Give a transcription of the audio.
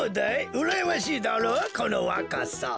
うらやましいだろこのわかさ。